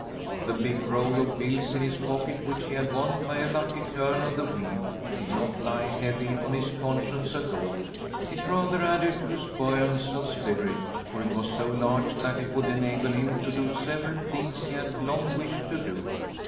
The big roll of bills in his pocket, which he had won by a lucky turn of the wheel, did not lie heavy on his conscience at all. It rather added to his buoyance of spirit, for it was so large that it would enable him to do several things he had long wished to do.